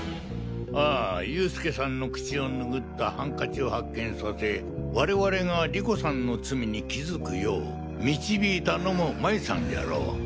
ああ佑助さんの口を拭ったハンカチを発見させ我々が莉子さんの罪に気付くよう導いたのも麻衣さんじゃろう。